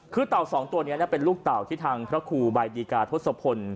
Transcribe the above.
คือเต่าสองตัวนี้เป็นลูกเต่าที่ทางพระครูบายดีกาทศพล